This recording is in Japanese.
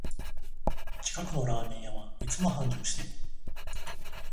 近くのラーメン屋はいつも繁盛してる